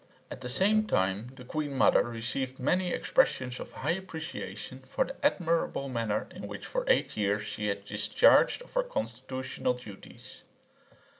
At the same time the Queen Mother received many expressions of high appreciation for the admirable manner in which for eight years she had discharged her constitutional duties.